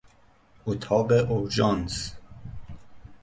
اتاق اورژانس